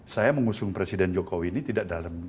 saya mengusung presiden jokowi ini tidak dalam